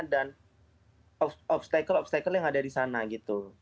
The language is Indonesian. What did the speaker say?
dan obstacle obstacle yang ada disana gitu